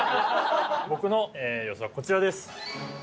僕の予想はこちらです。